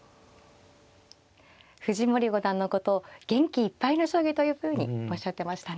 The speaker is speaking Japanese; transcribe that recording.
藤森五段のことを元気いっぱいの将棋というふうにおっしゃってましたね。